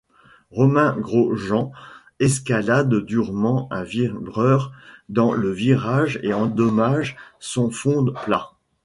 Romain Grosjean escalade durement un vibreur dans le virage et endommage son fond plat.